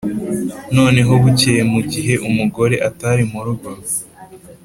noneho bukeye mu ighe umugore atari mu rugo,